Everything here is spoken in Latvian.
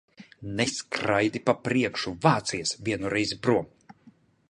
Neskraidi pa priekšu! Vācies vienu reizi prom!